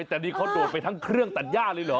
แต่นี่เขาโดดไปทั้งเครื่องตัดย่าเลยเหรอ